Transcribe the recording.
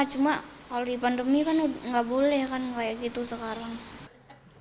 cuma kalau di pandemi kan nggak boleh kan kayak gitu sekarang